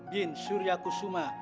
binti surya kusuma